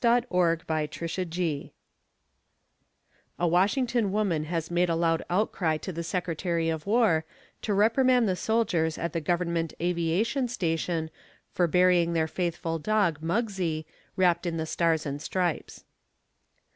THE FLAG AND THE FAITHFUL (A Washington woman has made a loud outcry to the Secretary of War to reprimand the soldiers at the Government Aviation Station for burying their faithful dog, Muggsie, wrapped in the Stars and Stripes.)